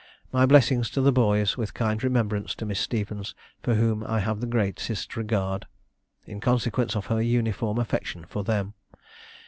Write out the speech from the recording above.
My blessing to the boys, with kind remembrance to Miss Stephens, for whom I have the greatest regard, in consequence of her uniform affection for them.